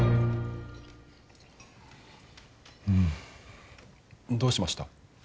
うん。どうしました？